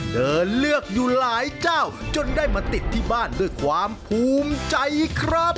เดินเลือกอยู่หลายเจ้าจนได้มาติดที่บ้านด้วยความภูมิใจครับ